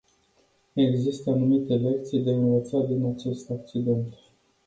Există anumite lecții de învățat din acest accident.